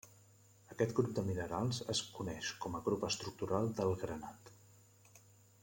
Aquest grup de minerals es coneix com a grup estructural del granat.